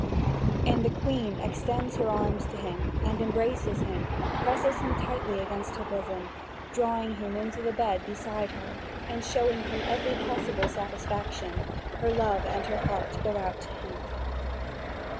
And the Queen extends her arms to him and, embracing him, presses him tightly against her bosom, drawing him into the bed beside her and showing him every possible satisfaction; her love and her heart go out to him.